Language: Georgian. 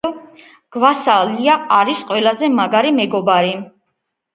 გვასალია არის ყველაზე მაგარი მეგობარი.